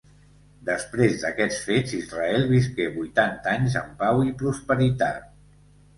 Després d'aquests fets, Israel visqué vuitanta anys en pau i prosperitat.